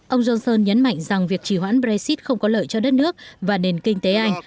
ông johnson nhấn mạnh rằng việc trì hoãn brexit không có lợi cho đất nước và nền kinh tế anh